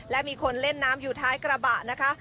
และมีคนเล่นน้ำอยู่ท้ายกระบะนะคะ